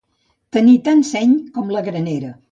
Tenir tant de seny com la granera.